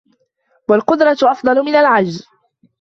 وَالْقُدْرَةُ أَفْضَلُ مِنْ الْعَجْزِ